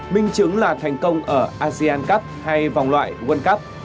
minh chứng là thành công ở asean cup hay vòng loại world cup